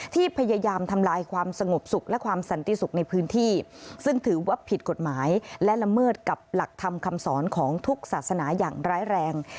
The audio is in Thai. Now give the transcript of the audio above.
ที่พยายามทำลายความสงบสุขและความสันติสุขในพื้นที่ซึ่งถือว่าผิดกฎหมายและละเมิดกับหลักธรรมคำสอนของทุกศาสนาอย่างร้ายแรง